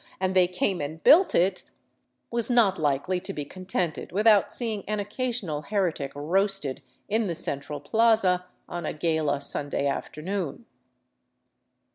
' and they came and built it," was not likely to b( contented without seeing an occasional heretic roasted in the central plaza on a gala Sunday afternoon.